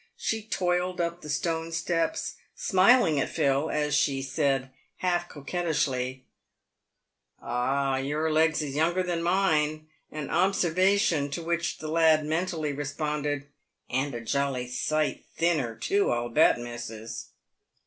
She toiled up the stone steps, smiling at Phil as she said, half coquettishly, " Ah, your legs is younger than mine." An observation to which the lad mentally responded, " And a jolly sight thinner too, I'll bet, missus."